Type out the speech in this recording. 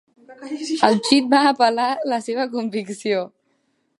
El Chit va apel·lar la seva convicció.